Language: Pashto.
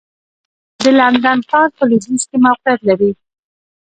د لندن ښار په لوېدیځ کې موقعیت لري.